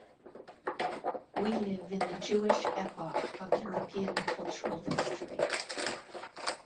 We live in the Jewish epoch of European cultural history.